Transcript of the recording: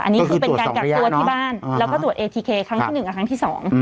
อันนี้คือเป็นการกักตัวที่บ้านแล้วก็ตรวจเอทีเคครั้งที่หนึ่งกับครั้งที่สอง